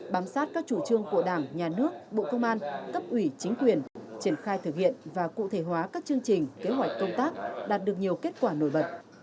bám sát các chủ trương của đảng nhà nước bộ công an cấp ủy chính quyền triển khai thực hiện và cụ thể hóa các chương trình kế hoạch công tác đạt được nhiều kết quả nổi bật